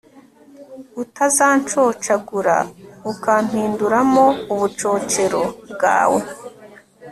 utazancocagura ukampinduramo ubucocero bwawe